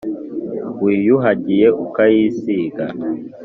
Wiyuhagiye ukayisiga